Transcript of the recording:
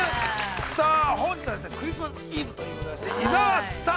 さあ本日は、クリスマスイブということで、伊沢さん。